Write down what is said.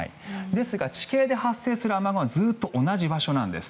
ですが、地形で発生する雨雲はずっと同じ場所なんです。